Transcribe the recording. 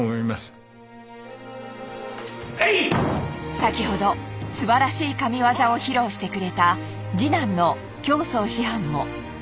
先ほどすばらしいＫＡＭＩＷＡＺＡを披露してくれた次男の京増師範も。